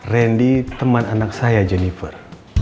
randy teman anak saya jennifer